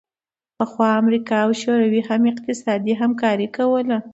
پخوا امریکا او شوروي هم اقتصادي همکاري کوله